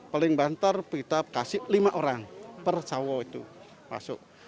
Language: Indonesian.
paling bantar kita kasih lima orang per sawo itu masuk